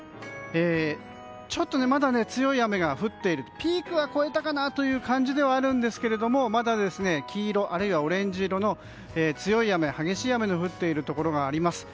まだ強い雨が降っていてピークは越えたかなという感じではありますがまだ黄色、あるいはオレンジ色の強い雨、激しい雨が降っているところがあります。